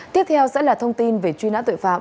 tiếp theo sẽ là thông tin về truy nã tội phạm